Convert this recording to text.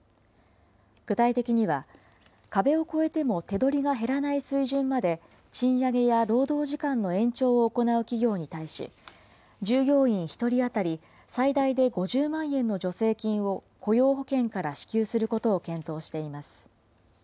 具体的には、壁を超えても手取りが減らない水準まで賃上げや労働時間の延長を行う企業に対し、従業員１人当たり最大で５０万円の助成金を雇用保険から支給することを検討しています。